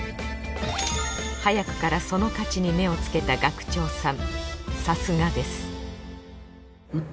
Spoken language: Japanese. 早くからその価値に目をつけた学長さん。